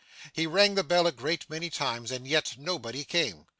He rang the bell a great many times, and yet nobody came.